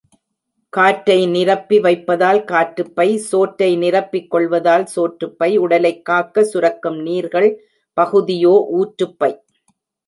காற்றை நிரப்பி வைப்பதால் காற்றுப்பை, சோற்றை நிரப்பிக்கொள்வதால் சோற்றுப் பை, உடலைக் காக்க சுரக்கும் நீர்கள் பகுதியோ ஊற்றுப்பை.